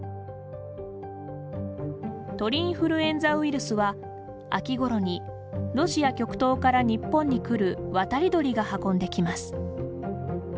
鳥インフルエンザウイルスは秋頃にロシア極東から日本に来る渡り鳥が運んで来ます。